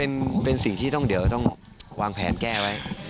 อันนี้เป็นสิ่งที่เดี๋ยวจะต้องวางแผนแก้ไว้